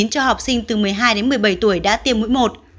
cho học sinh từ một mươi hai đến một mươi bảy tuổi đã tiêm mũi một